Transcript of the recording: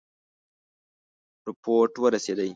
رپوټ ورسېدی.